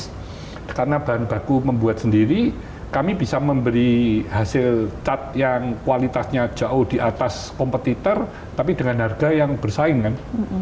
karena bahan baku membuat sendiri kami bisa memberi hasil cat yang kualitasnya jauh di atas kompetitor tapi dengan harga yang bersaing kan